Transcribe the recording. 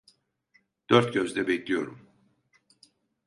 Dört gözle bekliyorum.